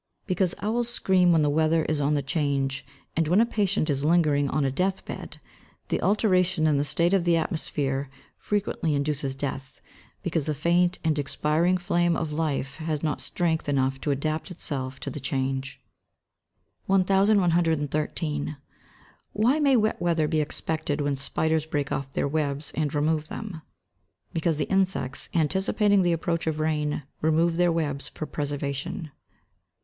_ Because owls scream when the weather is on the change; and when a patient is lingering on a death bed, the alteration in the state of the atmosphere frequently induces death, because the faint and expiring flame of life has not strength enough to adapt itself to the change. 1113. Why may wet weather be expected when spiders break off their webs, and remove them? Because the insects, anticipating the approach of rain, remove their webs for preservation.